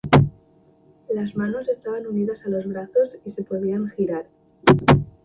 Las manos estaban unidas a los brazos y se podían girar.